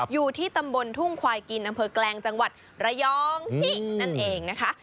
อยู่ที่ตำบลทุ่งควายกินอำเภอแกลงจังหวัดระยองที่นั่นเองนะคะ